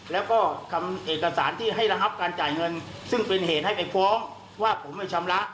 แล้วก็ทำเอกสารที่ให้ระงับการจ่ายเงินซึ่งเป็นเหตุให้ไปฟ้องว่าผมไม่ชำระ